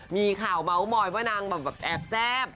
มีข่าวเม้าหมอยเพราะนางแอบแซ่บ